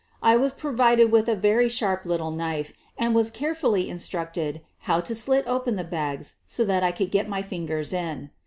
I was provided with a very sharp little knife and was carefully instructed how to slit open the bags so that I could get my fingers in.